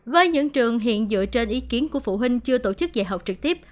với những trường hiện dựa trên ý kiến của phụ huynh chưa tổ chức dạy học trực tiếp